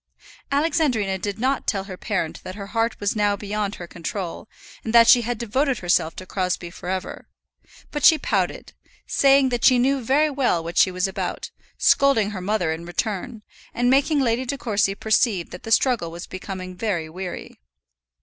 Alexandrina did not tell her parent that her heart was now beyond her control, and that she had devoted herself to Crosbie for ever; but she pouted, saying that she knew very well what she was about, scolding her mother in return, and making Lady De Courcy perceive that the struggle was becoming very weary.